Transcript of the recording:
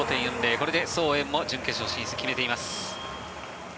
これでソウ・エンも準決勝進出を決めています。